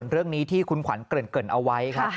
เรื่องนี้ที่คุณขวัญเกริ่นเอาไว้ครับ